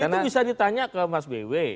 itu bisa ditanya ke mas bw